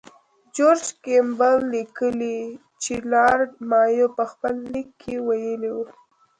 جورج کیمبل لیکي چې لارډ مایو په خپل لیک کې ویلي وو.